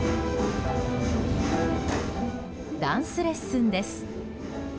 ダンスレッスンです。